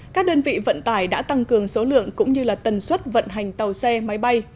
các đơn vị vận tải đã tăng cường số lượng cũng như tần suất vận hành tàu xe máy bay